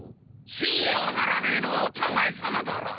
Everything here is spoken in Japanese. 信用ならねえのはお互いさまだろ。